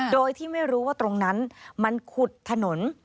โดยที่ไม่รู้ว่าตรงนั้นมันขุดถนน